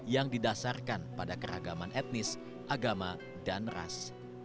yang didasarkan pada keragaman etnis agama dan ras